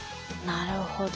なるほど。